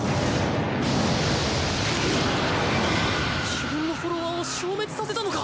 自分のフォロワーを消滅させたのか？